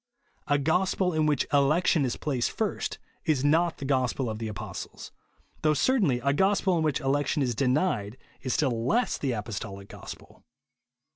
A gospel in which election is placed first is not the gospel of the apostles ; though certainly a gospel in which election is denied is still less the apostolic gospel.